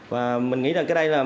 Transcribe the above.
và mình nghĩ là cái đây là